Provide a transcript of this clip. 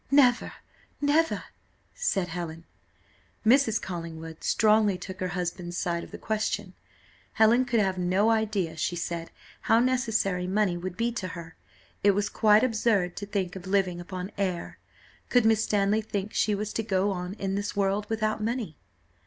"Never, never," said Helen. Mrs. Collingwood strongly took her husband's side of the question. Helen could have no idea, she said, how necessary money would be to her. It was quite absurd to think of living upon air; could Miss Stanley think she was to go on in this world without money?